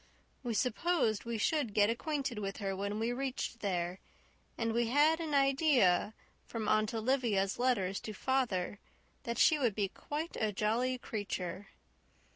We supposed we should get acquainted with her when we reached there, and we had an idea, from Aunt Olivia's letters to father, that she would be quite a jolly creature.